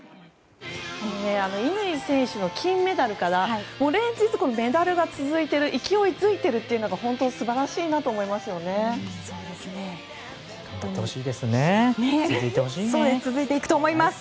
乾選手の金メダルから連日メダルが続いていて勢いづいているのが本当に素晴らしいなと思います。